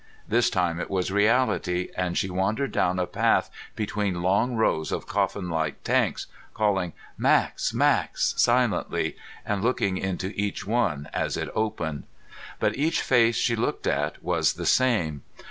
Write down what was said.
This time it was reality and she wandered down a path between long rows of coffinlike tanks, calling, "Max! Max!" silently and looking into each one as it opened. But each face she looked at was the same.